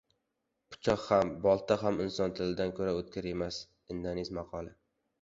Pichoq ham, bolta ham inson tilidan ko‘ra o‘tkir emas. Indonez maqoli